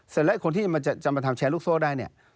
เสร็จแล้วคนที่จะมาทำแชร์ลูกโซ่ได้เนี่ย